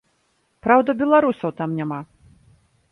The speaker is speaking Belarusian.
Праўда, беларусаў там няма.